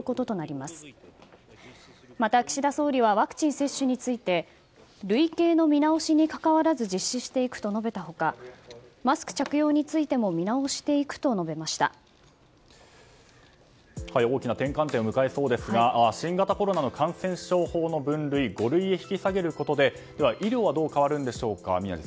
また岸田総理はワクチン接種について類型の見直しにかかわらず実施していくと述べた他マスク着用についても大きな転換点を迎えそうですが新型コロナの感染症法の分類を五類へ引き下げることで医療はどう変わるんでしょうか。